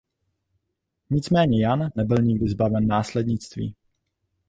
Nicméně Jan nebyl nikdy zbaven následnictví.